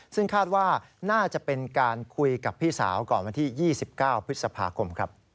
ซึ่งคาดว่าน่าจะเป็นการคุยกับพี่สาวก่อนวันที่๒๙พฤษภาคมครับ